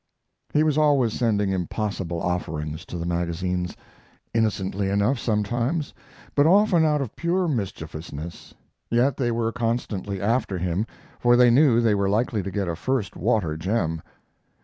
He was always sending impossible offerings to the magazines; innocently enough sometimes, but often out of pure mischievousness. Yet they were constantly after him, for they knew they were likely to get a first water gem.